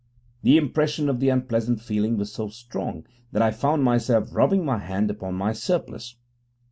The impression of the unpleasant feeling was so strong that I found myself rubbing my hand upon my surplice.